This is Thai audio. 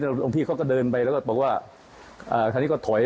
หลวงพี่เขาก็เดินไปแล้วก็บอกว่าคราวนี้ก็ถอย